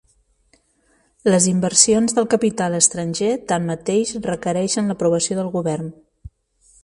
Les inversions del capital estranger, tanmateix, requereixen l'aprovació del govern.